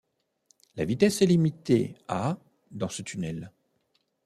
La vitesse est limitée à dans ce tunnel.